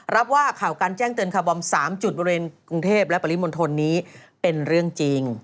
รับว่าข่าวการแจ้งเตือนคาร์บอม๓จุดบริเวณกรุงเทพและปริมณฑลนี้เป็นเรื่องจริง